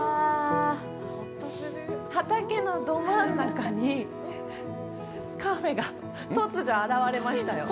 畑のど真ん中にカフェが突如現れましたよ。